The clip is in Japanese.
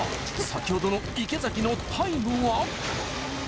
先ほどの池崎のタイムは？